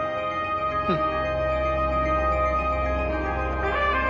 うん。